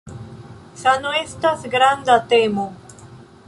Sano estas granda temo.